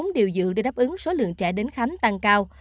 bốn điều dự để đáp ứng số lượng trẻ đến khánh tăng cao